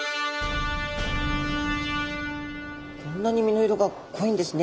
こんなに身の色が濃いんですね。